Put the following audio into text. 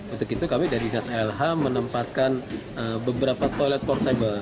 untuk itu kami dari dinas lh menempatkan beberapa toilet portable